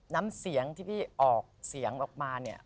น้ำเสียงที่พี่ออกเสียงออกมาเนี่ย